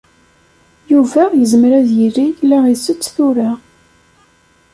Yuba yezmer ad yili la isett tura.